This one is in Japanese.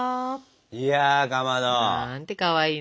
いやかまど。なんてかわいいの。